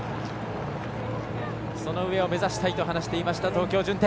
その上を目指したいと話していた東京・順天。